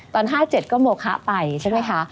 ตอน๕๗ก็โมคะไปใช่ไหมคะ